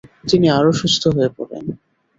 তিনি আরও অসুস্থ হয়ে পড়েন।